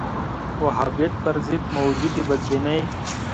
وهابیت پر ضد موجودې بدبینۍ